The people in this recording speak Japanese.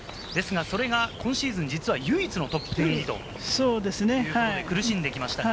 それが今シーズン唯一のトップ１０入りということで苦しんできました。